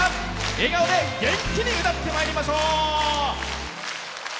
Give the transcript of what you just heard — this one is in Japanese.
笑顔で元気に歌ってまいりましょう！